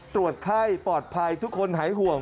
ตรวจไข้ปลอดภัยทุกคนหายห่วง